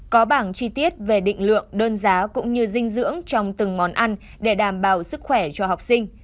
có bảng chi tiết về định lượng đơn giá cũng như dinh dưỡng trong từng món ăn để đảm bảo sức khỏe cho học sinh